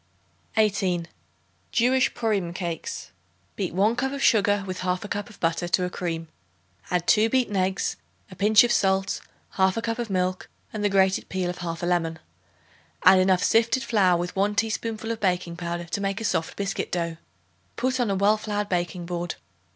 18. Jewish Purim Cakes. Beat 1 cup of sugar with 1/2 cup of butter to a cream; add 2 beaten eggs, a pinch of salt, 1/2 cup of milk and the grated peel of 1/2 lemon. Add enough sifted flour with 1 teaspoonful of baking powder to make a soft biscuit dough. Put on a well floured baking board.